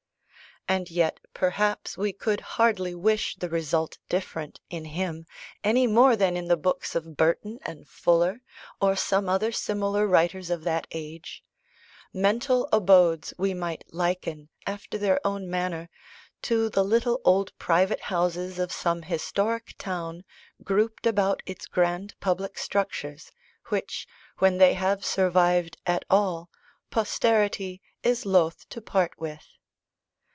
And yet perhaps we could hardly wish the result different, in him, any more than in the books of Burton and Fuller, or some other similar writers of that age mental abodes, we might liken, after their own manner, to the little old private houses of some historic town grouped about its grand public structures, which, when they have survived at all, posterity is loth to part with.